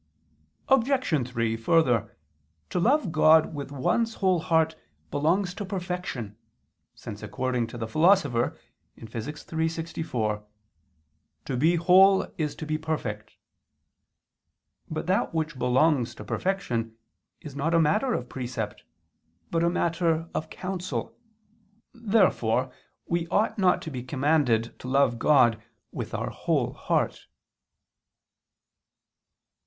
Obj. 3: Further, to love God with one's whole heart belongs to perfection, since according to the Philosopher (Phys. iii, text. 64), "to be whole is to be perfect." But that which belongs to perfection is not a matter of precept, but a matter of counsel. Therefore we ought not to be commanded to love God with our whole heart.